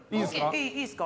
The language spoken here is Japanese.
いいですか？